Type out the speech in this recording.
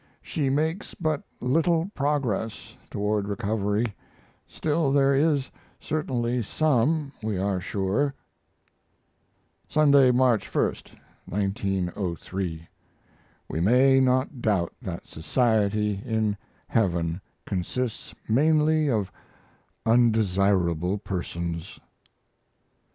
She makes but little progress toward recovery, still there is certainly some, we are sure. Sunday, March 1, 1903. We may not doubt that society in heaven consists mainly of undesirable persons.